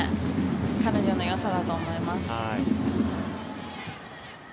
彼女のよさだと思います。